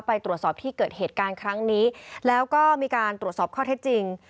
ไปตรวจสอบที่เกิดเหตุการณ์ครั้งนี้แล้วก็มีการตรวจสอบข้อเท็จจริง